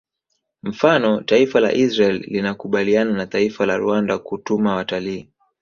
Mfano taifa la Israel linakubaliana na taifa la Rwanda kutuma watalii